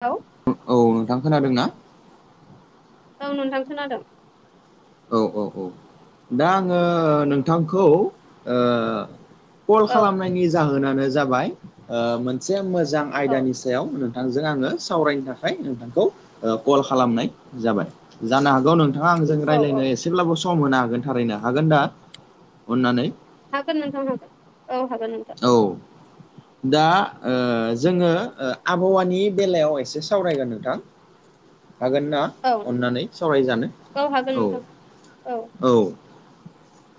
औ हुम औ नोंथां खोनादों ना? औ नोंथां खोनादों। औ औ औ दा आङो नोंथांखौ ओ कल औ खालामनायनि जाहोनानो जाबाय ओ मोनसे मोजां औ आयदानि सायाव नोंथांजों आङो सावरायनो थाखाय नोंथांखौ ओ कल खालामनाय जाबाय। जानो हागौ नोंथाङा आंजों औ औ रायलायनो एसेब्लाबो सम होनो हागोन थारैनो हागोन दा अननानै? हागोन नोंथां होगोन औ हागोन ओं। औ दा ओ जोङो ओ आबहावानि बेलायाव एसे सावरायगोन नोंथां। हागोन ना औ अननानै सावरायजानो हागोन औ नोंथां औ।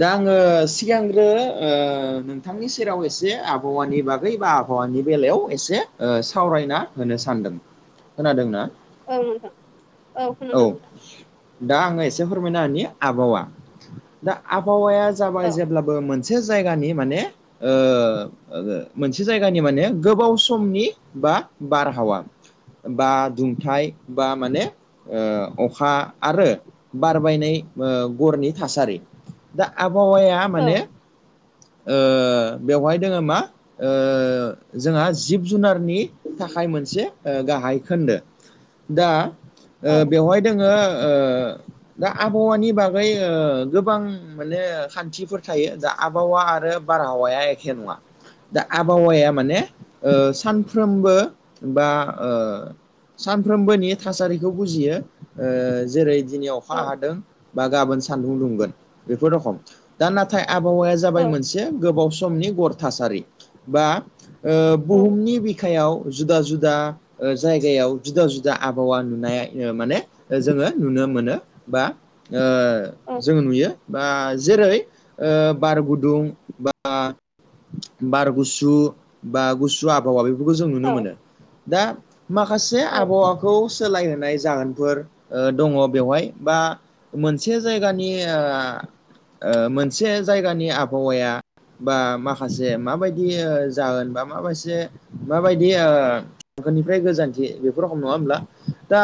दा आङो सिगांग्रो ओ नोंथांनि सेराव एसे आबहावानि बागै बा आबहावानि बेलायाव एसे ओ सावरायना होनो सानदों। खोनादोंना? ओं नोंथां औ खोनादों [inaudible] दा आङो एसे फोरमायना होनि आबहावा दा आबहावाया जाबाय औ जेब्ला बो मोनसे जायगानि माने ओ ओ गो मोनसे जायगानि माने गोबाव समनि बा बारहावा। बा दुंथाय बा माने ओ अखा आरो बारबायनाय ओ गरनि थासारि दा आबहावाया औ माने ओ बेवहाय दोङो मा? ओ जोंहा जिब जुनारनि थाखाय मोनसे गाहाय खोन्दो दा औ बेवहाय दोङो ओ दा आबहावानि बागै ओ गोबां माने खान्थिफोर थायो दा आबहावा आरो बारा बावाया एखे नङा दा आबहावाया माने ओ सानफ्रोमबो बा सानफ्रोमबोनि थासारिखौ बुजियो ओ जेरै दिनियाव खा औ हादों बा गाबोन सान्दुं दुंगोन बेफोर रखम दा नाथाय आबहावाया जाबाय औ मोनसे गोबाव समनि गर थासारि बा ओ औ बुहुमनि बिखायाव जुदा जुदा ओ जायगायाव जुदा जुदा आबहावा नुनाय माने जोङो नुनो मोनो बा ओ औ जोङो नुयो बा जेरै ओ बार गुदुं ओ बार गुसु बा गुसु आबहावा बेफोरखौ जों नुनो मोनो दा माखासे औ आबहावाखौ सोलायहोनाय जाहोनफोर ओ दङ बेवहाय बा मोनसे जायगानि ओ ओ मोनसे जायगानि आबहावाया बा माखासे माबायदि जाहोन बा माबायसे माबायदि ओ हांखोनिफ्राय गोजानथि बेफोर रखम नङा होमब्ला दा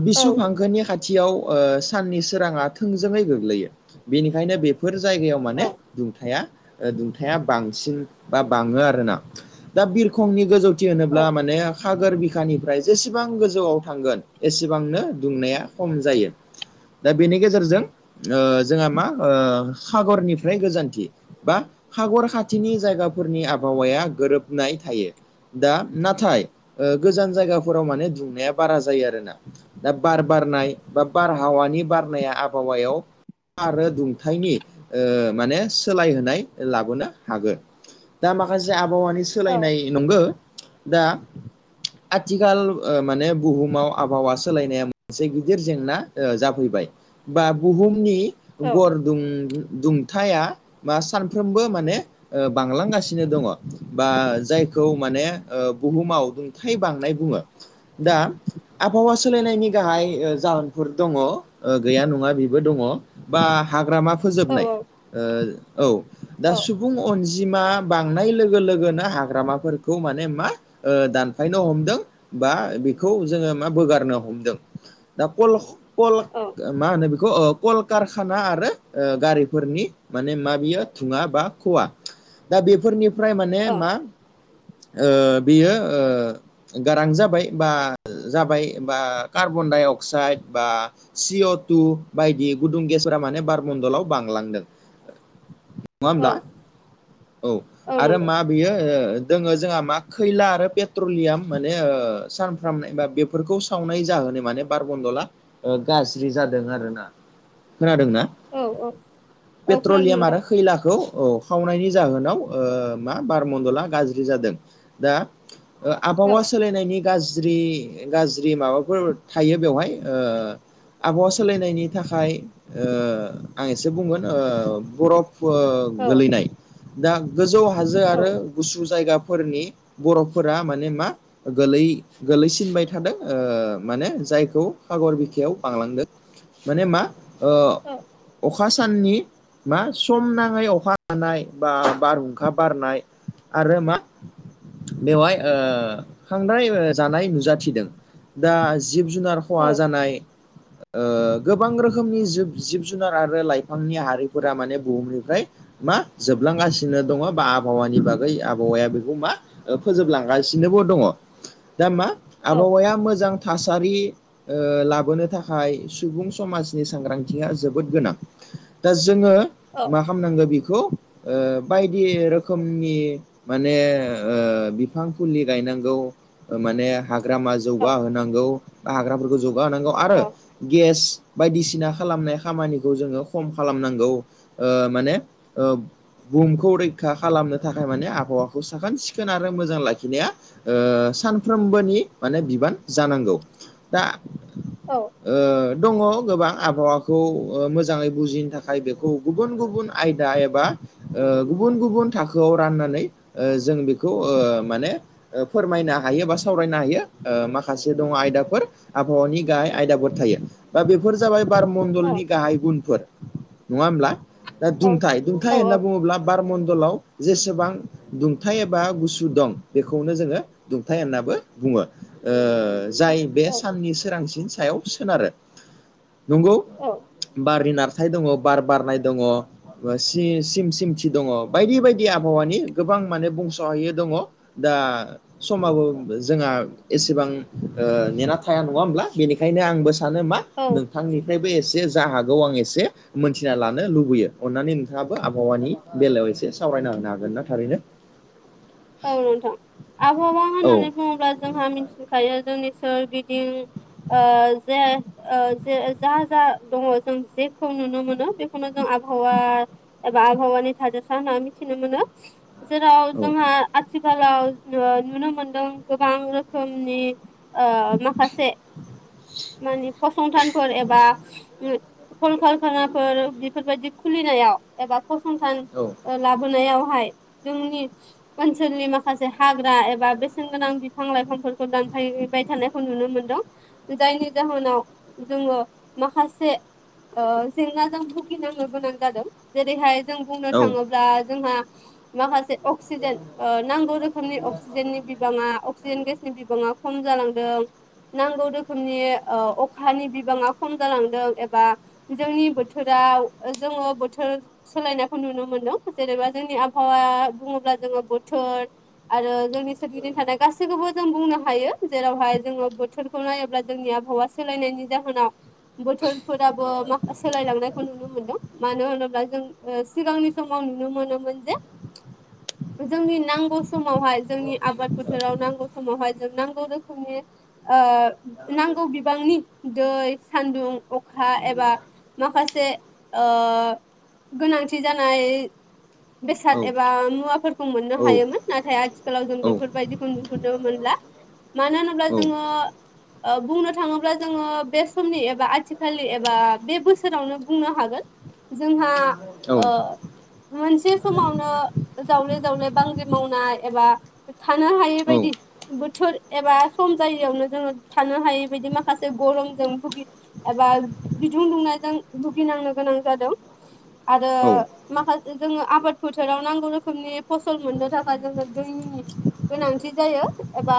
औ औ बिसु हांखोनि खाथि थियाव ओ साननि सोराङा थोंजोङै गोग्लैयो बेनिखायनो बेफ फोर जायगायाव माने दुंथाया ओ दुंथाया बांसिन बा बाङो आरोना दा बिरखंनि गोजौ थि होनोब्ला माने सागोर बिखानिफ्राय जेसेबां गोजौआव थांगोन एसेबांनो दुंनाया खम जायो दा बेनि गेजेरजों ओ जोंहा मा ओ सागरनिफ्राय गोजान्थि बा हागर खाथिनि जायगाफोरनि आबहावाया गोरोबनाय थायो दा नाथाय ओ गोजान जायगाफोराव माने दुंनाया बारा जायो आरो ना दा बार बारनाय बा बारहावानि बारनाया आबहावायाव आरो दुंथायनि ओ माने सोलाय होन नाय लाबोनो हागोन दा माखासे आबहावानि सोलायनाय नंगो दा आथिखाल माने ओ बुहाव आबावा सो सोलायनाया मोनसे गिदिर जेंना ओ जाफैबाय बा बुहुमनि गर दुं दुंथाया मा सानफ्रोमबो माने ओ बांलांगासिनो दङ बा जायखौ माने ओ बुहुमाव दुं थाय बांनाय बुङो दा आबहावा सोलायनायनि गाहाय जाहोनफोर दङ ओ गैया नङा बेबो दङ बा हाग्रामा फोजोबनाय ओ औ दा सुबुं अनजिमा बांनाय लोगो लोगोनो हाग्रामाफोरखौ माने मा? ओ दानफायनो हमदों बा बेखौ जोङो मा बोगारनो हमदों दा कल कल ओ मा होनो बेखौ कलकारखाना आरो गारिफोरनि माने मा? बियो थुङा बा खुवा दा बेफोरनिफ्राय माने मा? ओ बियो ओ गारां जाबाय बा जाबाय बा कार्बन डाइ अक्साइद बा सिअ टु बायदि गुदुं गेसफोरा माने बारमणडलाव बांलांदों नङा होमब्ला औ आरो नंगौ मा? बैयो ओ दोङो जोंहा मा खैला आरो पेट्रलियाम माने ओ सानप्रामनाय बा बे फोरखौ सावनाय जाहोनै माने बार मन्दला ओ गाज्रि जादों आरोना खोनादोंना औ औ औ खोनादों पेट्रलियाम नोंथां आरो खैलाखौ औ खावनायनि जाहोनाव ओ मा बारमडला गाज्रि जादों। दा ओ औ आबहावा सोलायनायनि गाज्रि गाज्रि माबाफोर थायो बेवहाय ओ आबहावा सोलायनायनि थाखाय ओ आं एसे बुंगोन ओ बरफ ओ औ गोलैनाय दा गोजौ हाजो औ आरो गुसु जायगा फोरनि बर'फोरा माने मा गोलै गोलैसिनबाय थादों ओ माने जायखौ हागर बिखायाव बांलांदों माने मा ओ अखा साननि मा सम नाङै अखा हानाय बा बारहुंखा बारनाय आरो मा बेवहाय ओ खांद्राय जानाय नुजाथिदों दा जिब जुनार औ खहा जानाय ओ गोबां रोखोमनि जि जिब जुनार आरो लाइफांनि हारिफोरा माने बुहुमनिफ्राय मा जोबलांगासिनो दङ बा आबहावानि बागै आबहावाया बेखौ मा फोजोबलांगासिनोबो दङ दा मा औ आबहावाया मोजां थासारि ओ लाबोनो थाखाय सुबुं समाजनि सांग्रां बिथिया जोबोद गोनां दा जोङो मा खालामनांगौ बेखौ ओ बायदि रोखोमनि माने ओ बिफां फुलि गायनांगौ माने हाग्रामा जौगाहोनांगौ बा हाग्राफोरखौ जौगाहोनांगौ आरो गेस बायदिसिना खालामनाय खामानिखौ जोङो खम खालामनांगौ ओ माने औ बुहुमखौ रैखा खालामनो थाखाय माने आबहावाखौ साखोन सिखोन आरो मोजां लाखिनाया ओ सानफ्रोमबोनि माने बिबान जानांगौ दा औ ओ दङ गोबां आबहावाखौ ओ मोजाङै बुजिनो थाखाय बेखौ गुबुन गुबुन आयदा एबा ओ गुबुन गुबुन थाखोआव राननानै ओ जों बेखौ ओ माने फोरमायनो हायो बा सावरायनो हायो ओ माखासे दङ आयदाफोर आबहावानि गाहाय आयदाफोर थायो। दा बेफोर जाबाय बार मण्डलनि गाहाय गुनफोर नङा होमब्ला दा दुंथाइ दुंथाय होनना बुङोब्ला बार मणडलाव जेसेबां दुंथाइ एबा गुसु दं बेखौनो जोङो दुंथाय होननाबो बुङो जाय बे औ साननि सोरांसिन सायाव सोनारो नंगौ औ बारनि नारथाय दङ बार बारनाय दङ सिम सिमथि दङ बायदि बायदि आबहावानि गोबां माने बुंस'है दङ दा समाबो जोंहा एसेबां ओ नेना थाया नङा होमब्ला बेनिखायनो आंबो सानो मा औ नोंथांनिफ्रायबो एसे जा हागौ आं एसे मिथिना लान नो लुबैयो अननानै नोंथाङाबो आबहावानि बेलायाव एसे सावरायना होनो हागोन ना थारैनो औ नोंथां आबहावा औ होननानै बुङोब्ला जोंहा मिथिखायो जोंनि सोरगिदिं ओ जे ओ जे जा जा दङ जों जेखौ नुनो मोनो बेखौनो जों आबहावा एबा आबहावानि थादेरसा होनना मिथिनो मोनो जेराव औ जोंहा आथिखालाव ओ नुनो मोनदों गोबां रोखोमनि ओ माखासे मानि फसंथानफोर एबा कलकारखानाफोर बेफोरबायदि खुलिनायाव एबा फसंथान औ लाबोनायावहाय जोंनि ओनसोलनि माखासे हाग्रा एबा बेसेन गोनां बिफां लाइफांफोरखौ दानफायबाय थानो खौ नुनो मोनदों जायनि जाहोनाव जोङो माखासे ओ जेंनाजों भुगिनांनो गोनां जादों। जेरैहाय जों बुंनो औ थाङोब्ला जोंहा माखासे अक्सिजेन ओ नांगौ रोखोमनि अक्सिजेननि बिबाङा अक्सिजेन गेसनि बिबाङा खम जालांदों नांगौ रो खोमनि ओ अखानि बिबाङा खम जालांदों एबा जोंनि बोथोराव जोङो बोथोर सोलायनायखौ नुनो मोनदों जेनेबा जोंनि आबहावा बुङोब्ला जोङो बोथोर आरो जोंनि सोरगिदिं थानाय गासैखोबो जों बुंनो हायो जेरावहाय जोङो बोथोरखौ नायोब्ला जोंनि आबहावा सोलायनायनि जाहोनाव बोथोरफोराबो मा सोलायलांनायखौ नुनो मोनदों मानो होनोब्ला जों ओ सिगांनि समाव नुनो मोनोमोन जे जोंनि नांगौ समावहाय जोंनि आबाद फोथाराव नांगौ समावहाय जों नांगौ रोखोमनि ओ नांगौ बिबांनि दै सान्दुं अखा एबा माखासे ओ गोनांथि जानाय औ बेसाद एबा मुवाफोरखौ मोननो औ हायोमोन नाथाय आथिखालाव जों औ बेफोरबायदिखौ नुहुरनो मोनला मानो होनोब्ला जोङो ओ बुंनो थाङोब्ला जोङो बे समनि एबा आथिखालनि एबा बे बोसोरावनो बुंनो हागोन जोंहा औ ओ मोनसे समावनो जावले जावले बांग्रि मावनाय एबा थानो हायै बायदि बोथोर एबा सम जायियावनो जोङो थानो हायि बायदि माखासे गरमजों भुगि एबा बिदुं दुंनायजों भुगिनांनो गोनां जादों। आरो औ माखासे जोङो आबाद फोथाराव नांगौ रोखोमनि फसल मोननो थाखाय जोङो दैनि गोनांथि जायो एबा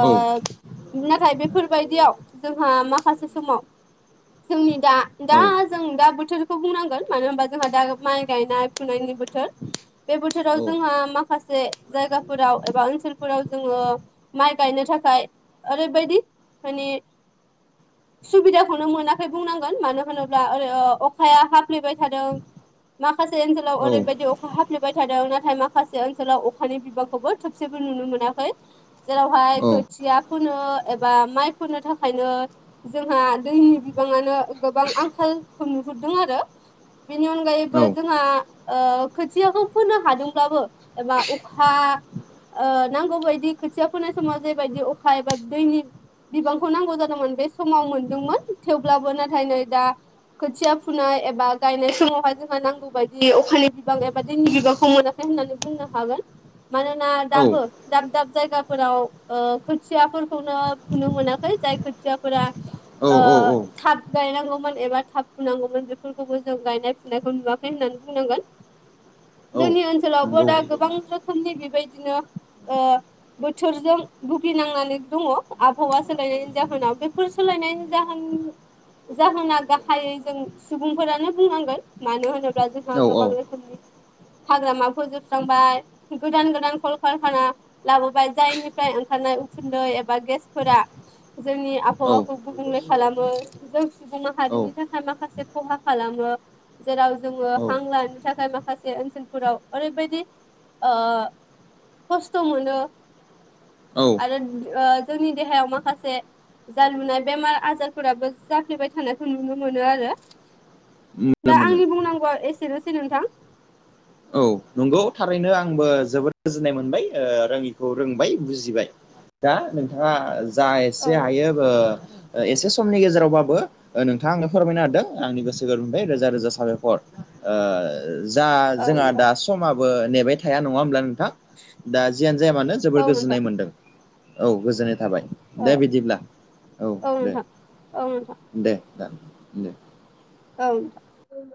ओ नाथाय बेफोरबायदियाव जोंहा माखासे समाव जोंनि दा दा जों दा बोथोरखौ बुंनांगोन मानो होनबा जोंहा दा माइ गायनाय फुनायनि बोथोर बे बोथोराव औ जोंहा माख खासे जायगाफोराव एबा ओनसोलफोराव जोङो माइ गायनो थाखाय ओरैबायदि मानि सुबिदाखौनो मोनाखै बुंनांगोन मानो होनोब्ला ओरै ओ अखाया हफ्लेबाय थादों माखासे ओनसोलाव औ ओरैबायदि अखा हाब फ्लेबाय थादों नाथाय माखासे ओनसोलाव अखानि बिबांखौबो थोबसेबो नुनो मोनाखै जेरावहाय औ खोथिया फोनो एबा माइ फोनो थाखायनो जोंहा दैनि बिबाङानो गोबां आंखालखौ नुहुरदों आरो बेनि अन औ गायैबो जोंहा ओ खोथियाखौ फोननो हादोंब्लाबो एबा अखा ओ नांगौ बायदि खोथिया फोनाय समाव जेबायदि अखा एबा दैनि बिबांखौ नांगौ जादोंमोन बे समाव मोनदोंमोन थेवब्लाबो नाथाय नै दा खोथिया फुनाय एबा गायनाय समावहाय जोंहा नांगौ बायदि अखानि बिबां एबा दैनि बिबांखौ मोनाखै खै होननानै बुंनो हागोन। मानोना दाबो दाब दाब जायगाफोराव ओ खोथियाफोरखौनो फुनो मोनाखै जाय खोथियाफोरा औ ओ औ औ थाब गायनांगौमोन एबा थाब फुनांगौमोन बेफोरखौबो जों गायनाय फुनायखौ नुवाखै होननानै बुंनांगोन। औ जोंनि ओनसोलावबो नंगौ दा गोबां औ रोखोमनि बेबायदिनो ओ बोथोरजों भुगिनांनानै दङ आबहावा सोलायनायनि जाहोनाव बेफोर सोलायनायनि जाहोन जाहोना गाहायै जों सुबुंफोरानो बुंनांगोन। मानो होनोब्ला जोंहा औ गोबां रोखोमनि हाग्रामा फोजोबस्रांबाय गोदान गोदान कलकारखाना लाबोबाय जायनिफ्राय ओंखारनाय उखुन्दै एबा गेसफोरा जोंनि औ आबहावाखौ गुबुंले खालामो जों सुबुं औ माहारिनि थाखाय माखासे खहा खालामो। जेराव जोङो औ हां लानो थाखाय माखासे ओनसोलफोराव ओरैबायदि ओ खस्थ' मोनो। औ ओ आरो जोंनि देहायाव माखासे जा लुनाय बेमार आजारफोराबो जाफ्लेबाय थानायखौ नुनो मोनो आरो मोनो दा मोनो आंनि बुंनांगौआ एसेनोसै नोंथां। औ नंगौ थारैनो आंबो जोबोद गोजोननाय मोनबाय ओ रोङिखौ रोंबाय बुजिबाय। दा नोंथाङा जा औ एसे हायो ओ एसे समनि गेजेरावबाबो ओ नोंथाङा आंनो फोरमायना होदों आंनि गोसो गोरबोनिफ्राय रोजा रोजा साबायखर। ओ जा औ जोंहा नोंथां दा समाबो नेबाय थाया नङा होमब्ला नोंथां दा जियानो जाया मानो जोबोर औ नोंथां गोजोननाय मोन्दों। औ गोजोननाय थाबाय औ दे बिदिब्ला औ दे। नोंथां औ नोंथां दे दान दे। औ